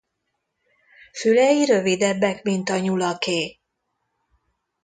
Fülei rövidebbek mint a nyulaké.